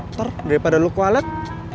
ntar daripada lo kewalet